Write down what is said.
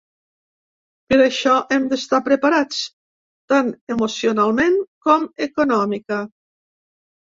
Per això hem d'estar preparats, tant emocionalment com econòmica.